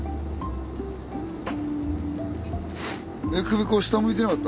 首下向いてなかった？